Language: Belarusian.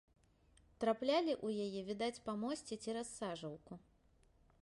Траплялі ў яе, відаць, па мосце цераз сажалку.